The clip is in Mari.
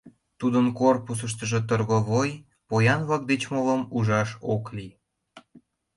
Тудын корпусыштыжо торговой, поян-влак деч молым ужаш ок лий.